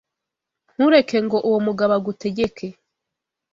Ntureke ngo uwo mugabo agutegeke.